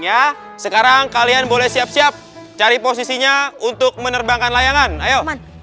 ya sekarang kalian boleh siap siap cari posisinya untuk menerbangkan layangan ayo